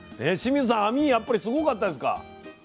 清水さん網やっぱりすごかったですか？